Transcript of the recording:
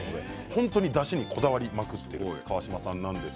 本当に、だしにこだわりまくっている川島さんです。